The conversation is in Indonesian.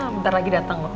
bentar lagi dateng loh